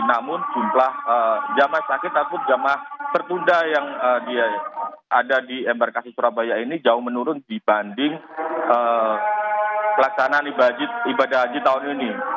namun jumlah jamaah sakit ataupun jemaah tertunda yang ada di embarkasi surabaya ini jauh menurun dibanding pelaksanaan ibadah haji tahun ini